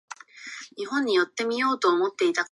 北里柴三郎